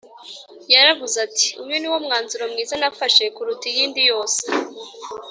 Yaravuze ati “uyu ni wo mwanzuro mwiza nafashe kuruta iyindi yose”